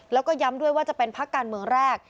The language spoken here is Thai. แล้วก็ย้ำด้วยว่าจะเป็นพักการเมืองแรก